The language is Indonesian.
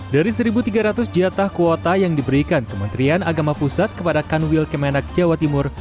dari satu tiga ratus jatah kuota yang diberikan kementerian agama pusat kepada kanwil kemenak jawa timur